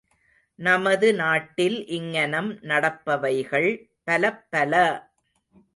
நமது நாட்டில் இங்ஙனம் நடப்பவைகள் பலப்பல!